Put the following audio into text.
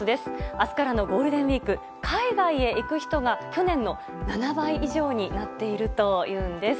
明日からのゴールデンウィーク海外へ行く人が去年の７倍以上になっているというんです。